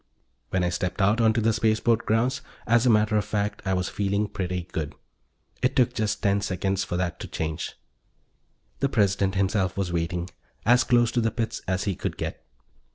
When I stepped out onto the spaceport grounds, as a matter of fact, I was feeling pretty good. It took just ten seconds for that to change. The President himself was waiting, as close to the pits as he could get.